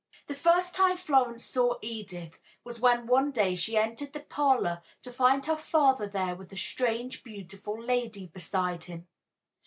The first time Florence saw Edith was when one day she entered the parlor to find her father there with a strange, beautiful lady beside him.